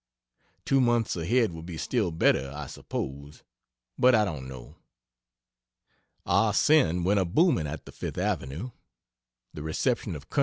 Two months ahead would be still better I suppose, but I don't know. "Ah Sin" went a booming at the Fifth Avenue. The reception of Col.